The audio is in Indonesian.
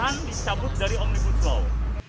yang dicabut dari omnibus law